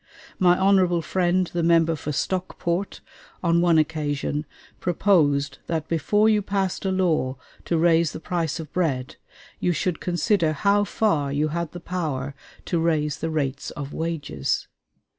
My honorable friend the member for Stockport on one occasion proposed that before you passed a law to raise the price of bread, you should consider how far you had the power to raise the rates of wages.